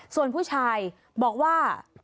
ส่วนผู้ชายบอกว่า